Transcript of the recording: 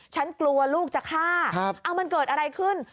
ฉันกลัวลูกจะฆ่าเอามันเกิดอะไรขึ้น